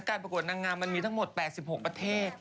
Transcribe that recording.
ประกวดนางงามมันมีทั้งหมด๘๖ประเทศ